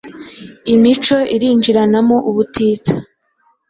Imico irinjiranamo ubutitsa